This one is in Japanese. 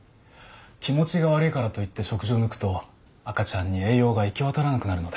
気持ちが悪いからといって食事を抜くと赤ちゃんに栄養が行き渡らなくなるので。